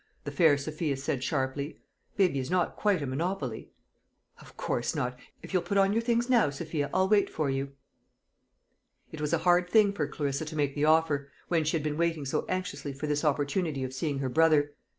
the fair Sophia said sharply. "Baby is not quite a monopoly." "Of course not. If you'll put on your things now, Sophia, I'll wait for you." It was a hard thing for Clarissa to make the offer, when she had been waiting so anxiously for this opportunity of seeing her brother.